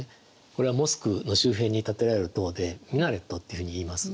これはモスクの周辺に建てられる塔でミナレットっていうふうにいいます。